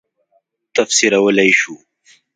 تفسیرولای شو.